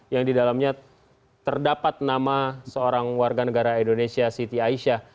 yang di dalamnya terdapat nama seorang warga negara indonesia siti aisyah